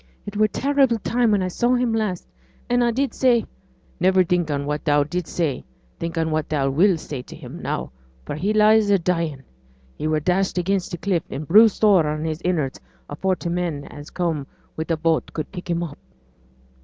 It were a terrible time when I saw him last, and I did say ' 'Niver think on what thou did say; think on what thou will say to him now, for he lies a dyin'! He were dashed again t' cliff an' bruised sore in his innards afore t' men as come wi' a boat could pick him up.'